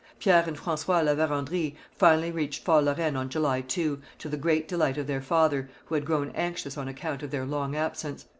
Pierre and François La Vérendrye finally reached Fort La Reine on July 2, to the great delight of their father, who had grown anxious on account of their long absence.